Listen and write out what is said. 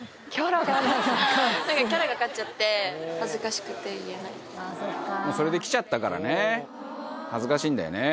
何かキャラが勝っちゃってそれできちゃったからね恥ずかしいんだよね